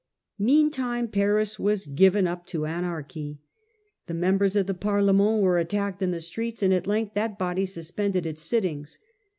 Meantime Paris was given up to anarchy. The mem bers of the Parlement were attacked in the streets, and at length that body suspended its sittings.